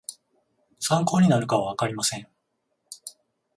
参考になるかはわかりません